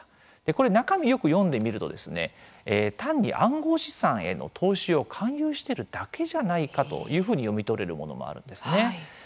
これ、中身よく読んでみると単に暗号資産への投資を勧誘しているだけじゃないかというふうに読み取れるものもあるんですね。